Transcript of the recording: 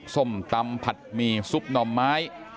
ส้มตำผัดหมี่ซุปหน่อไม้